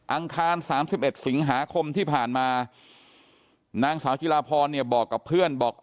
อังคาร๓๑สิงหาคมที่ผ่านมานางสาวจิลาพรเนี่ยบอกกับเพื่อนบอก